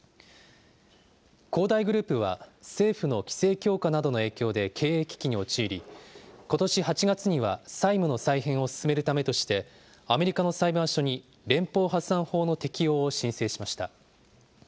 恒大グループは、政府の規制強化などの影響で経営危機に陥り、ことし８月には債務の再編を進めるためとして、アメリカの裁判所に連邦破産法の適用を申請しました。